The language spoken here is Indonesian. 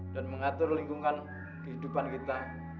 dan mengatur lingkungan kehidupan kita